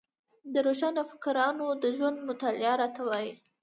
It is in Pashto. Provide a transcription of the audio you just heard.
د روښانفکرانو د ژوند مطالعه راته وايي.